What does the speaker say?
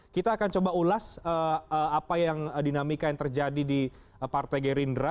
kita akan coba ulas apa yang dinamika yang terjadi di partai gerindra